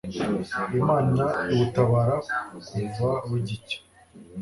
Imana iwutabara kuva bugicya